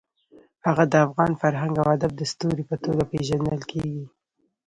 هغه د افغان فرهنګ او ادب د ستوري په توګه پېژندل کېږي.